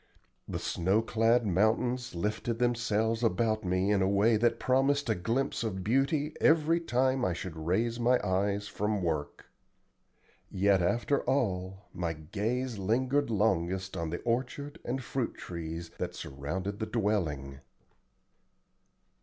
The snow clad mountains lifted themselves about me in a way that promised a glimpse of beauty every time I should raise my eyes from work. Yet after all my gaze lingered longest on the orchard and fruit trees that surrounded the dwelling.